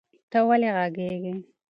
ته ویلې غږیږي؟